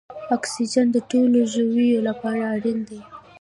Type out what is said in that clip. اکسیجن د ټولو ژویو لپاره اړین دی